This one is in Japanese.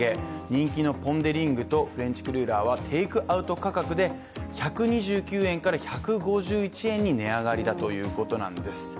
人気のポン・デ・リングとフレンチクルーラーは、テイクアウト価格で１２９円から１５１円に値上がりだということなんです。